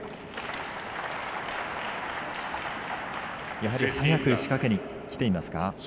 やはり早く仕掛けにきていますか。